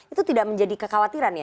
itu tidak menjadi kekhawatiran ya